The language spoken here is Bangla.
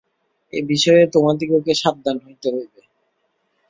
এই বিষয়ে তোমাদিগকে সাবধান হইতে হইবে।